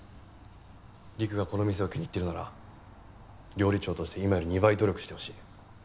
りくがこの店を気に入ってるなら料理長として今より２倍努力してほしい。